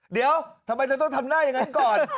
เดี๋ยวทำไมเธอต้องทำหน้าอย่างนั้นก่อน